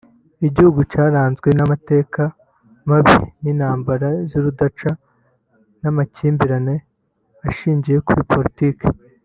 igihugu cyaranzwe n’amateka mabi y’intamabara z’urudaca n’amakimbirane ashingiye kuri politiki